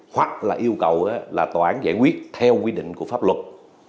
hoặc là yêu cầu là tòa án giải quyết theo quy định của pháp luật